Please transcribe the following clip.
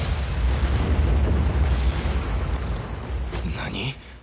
何！？